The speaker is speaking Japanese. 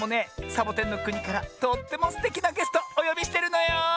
サボテンのくにからとってもすてきなゲストおよびしてるのよ。